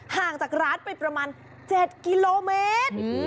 ห่างจากร้านไปประมาณ๗กิโลเมตร